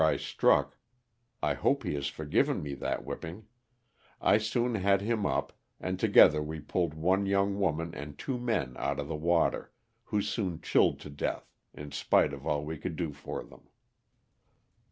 I struck — I hope he has forgiveD me that whipping — I soon had him up, and together we pulled one young woman and two men out of the water, who soon chilled to death in spite of all we could do for them.